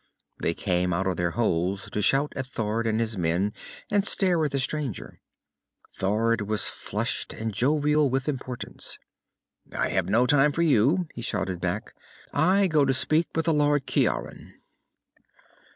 They came out of their holes to shout at Thord and his men, and stare at the stranger. Thord was flushed and jovial with importance. "I have no time for you," he shouted back. "I go to speak with the Lord Ciaran."